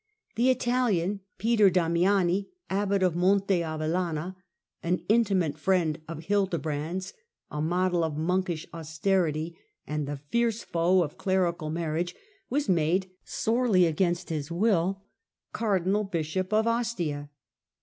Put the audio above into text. The Italian, Peter Damiani, abbot of Monte Avellana, an intimate friend of Hilde brand's, a model of monkish austerity, and the fiercje foe of clerical marriage, was made, sorely against his will, cardinal bishop of Ostia.